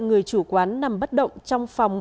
người chủ quán nằm bất động trong phòng